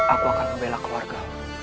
aku akan membela keluarga